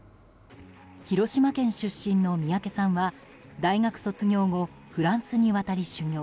広島県出身の三宅さんは大学卒業後フランスに渡り、修業。